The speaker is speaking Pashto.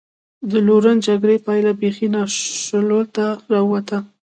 د لورن جګړې پایله بېخي ناشولته را ووته.